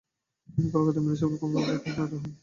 তিনি কলকাতা মিউনিসিপাল কর্পোরেশনের মেয়র হন।